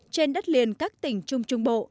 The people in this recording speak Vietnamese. trên đất liền các tỉnh trung trung bộ